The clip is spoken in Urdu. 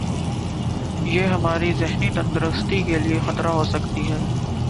یہ ہماری ذہنی تندرستی کے لئے خطرہ ہوسکتی ہے